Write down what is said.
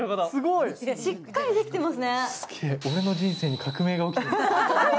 しっかりできてますね。